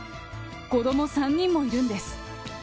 子ども３人もいるんです。